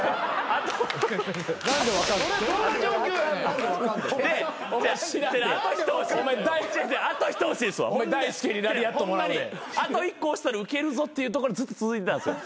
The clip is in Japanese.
あと一個押したらウケるぞっていうところでずっと続いてたんすよ。